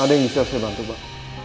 ada yang bisa saya bantu pak